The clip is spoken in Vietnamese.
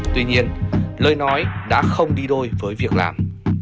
tuy nhiên lời nói đã không đi đôi với việc làm